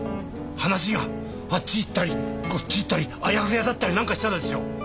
話があっち行ったりこっち行ったりあやふやだったりなんかしたらですよ？